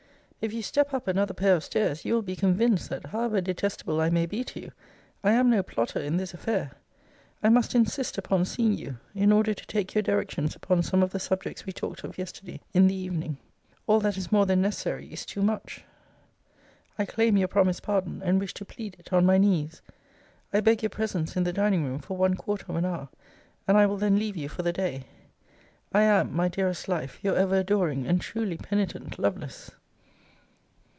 If you step up another pair of stairs, you will be convinced, that, however detestable I may be to you, I am no plotter in this affair. I must insist upon seeing you, in order to take your directions upon some of the subjects we talked of yesterday in the evening. All that is more than necessary is too much. I claim your promised pardon, and wish to plead it on my knees. I beg your presence in the dining room for one quarter of an hour, and I will then leave you for the day, I am, My dearest life, Your ever adoring and truly penitent LOVELACE.